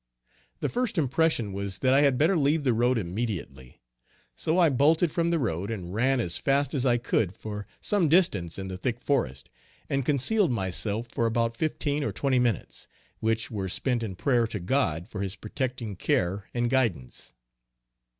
The first impression was that I had better leave the road immediately; so I bolted from the road and ran as fast as I could for some distance in the thick forest, and concealed myself for about fifteen or twenty minutes, which were spent in prayer to God for his protecting care and guidance.